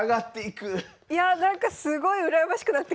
すごい！羨ましい！